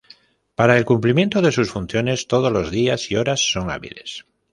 Para el cumplimiento de sus funciones todos los días y horas son hábiles.